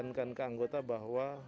dan menekankan ke anggota bahwa